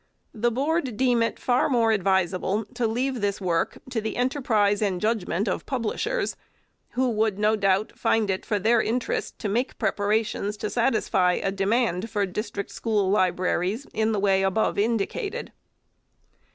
The Board deem it far more advisable to leave this work to the enterprise and judg ment of publishers, who would, no doubt, find it for 380 FIRST ANNUAL REPORT their interest to make preparations to satisfy a demand for district school libraries in the way above indicated.